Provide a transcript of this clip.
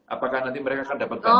apakah nanti mereka akan dapatkan uang